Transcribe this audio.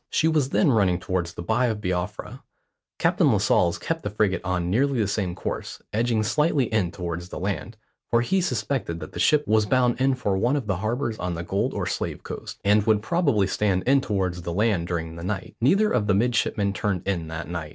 She was then running towards the Bight of Biafra. Captain Lascelles kept the frigate on nearly the same course, edging slightly in towards the land, for he suspected that the ship was bound in for one of the harbours on the Gold or Slave Coast, and would probably stand in towards the land during the night. Neither of the midshipmen turned in that night.